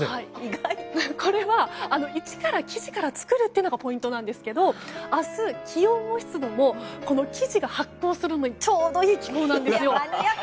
これは、生地から作るのがポイントでして明日、気温も湿度も生地が発酵するのにちょうどいい気候なんですよ。